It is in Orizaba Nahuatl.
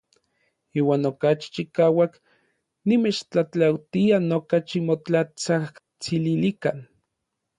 Iuan okachi chikauak nimechtlatlautia noka ximotlatsajtsililikan.